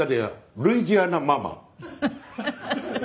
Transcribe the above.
『ルイジアナ・ママ』。